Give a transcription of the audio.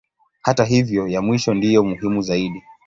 Hata hivyo ya mwisho ndiyo muhimu zaidi.